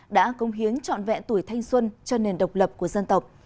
đã công hiến trọn vẹn tuổi thanh xuân cho nền độc lập của dân tộc